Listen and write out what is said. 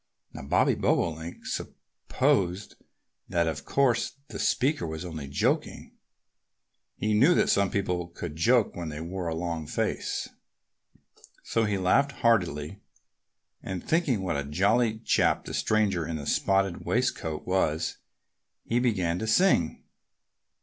Now, Bobby Bobolink supposed that of course the speaker was only joking. He knew that some people could joke when they wore a long face. So he laughed heartily. And thinking what a jolly chap the stranger in the spotted waistcoat was, he began to sing.